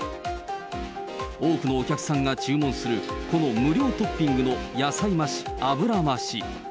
多くのお客さんが注文する、この無料トッピングの野菜増し、脂増し。